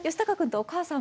お母さん。